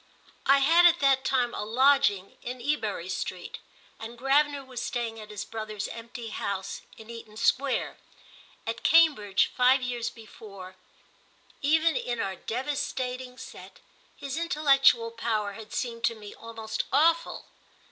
I had at that time a lodging in Ebury Street, and Gravener was staying at his brother's empty house in Eaton Square. At Cambridge, five years before, even in our devastating set, his intellectual power had seemed to me almost awful.